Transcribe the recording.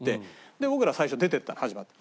で僕ら最初に出て行ったの始まって。